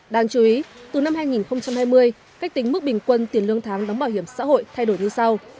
đáng chú ý từ năm hai nghìn hai mươi cách tính mức bình quân tiền lương tháng đóng bảo hiểm xã hội thay đổi như sau